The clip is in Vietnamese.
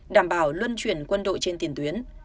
đảm bảo luân chuyển quân đội trên tiền tuyến